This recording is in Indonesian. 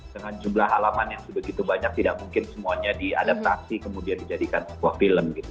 dengan jumlah halaman yang sebegitu banyak tidak mungkin semuanya diadaptasi kemudian dijadikan sebuah film gitu